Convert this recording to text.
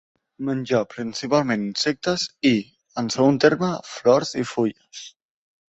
Menja principalment insectes i, en segon terme, flors i fulles.